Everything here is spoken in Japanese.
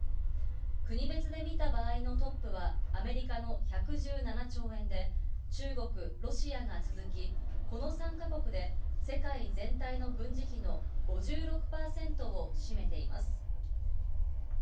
国別で見た場合のトップは、アメリカの１１７兆円で、中国、ロシアが続き、この３か国で世界全体の軍事費の５６％を占めています。